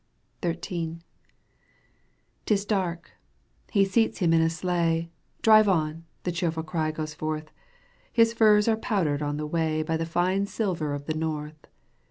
XIII. 'Tis dark. He seats him in a sleigh, " Drive on !" the cheerful cry goes forth, His furs are powdered on the way By the fine silver of the north.